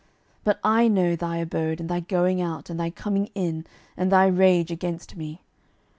12:019:027 But I know thy abode, and thy going out, and thy coming in, and thy rage against me.